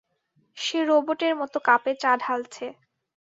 সে রোবটের মতো কাপে চা ঢালছে।